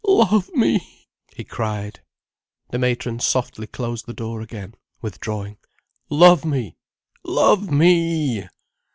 Love me!" he cried. The matron softly closed the door again, withdrawing. "Love me! Love me!"